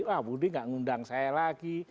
jadi ah budi gak ngundang saya lagi